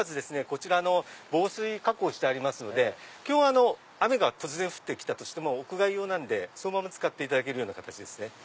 こちら防水加工してありますので雨が突然降って来たとしても屋外用なんでそのまま使っていただける形です。